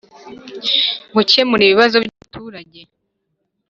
Gukemura ibibazo by abaturage